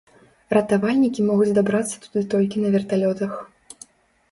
Ратавальнікі могуць дабрацца туды толькі на верталётах.